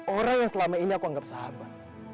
orang yang selama ini aku anggap sahabat